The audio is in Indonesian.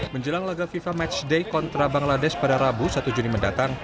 menjelang laga fifa matchday kontra bangladesh pada rabu satu juni mendatang